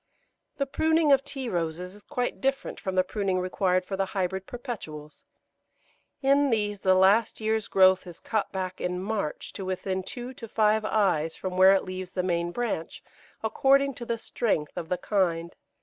The pruning of Tea Roses is quite different from the pruning required for the Hybrid Perpetuals. In these the last year's growth is cut back in March to within two to five eyes from where it leaves the main branch, according to the strength of the kind.